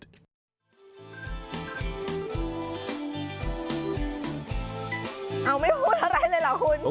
เอาไม่พูดอะไรเลยเหรอคุณ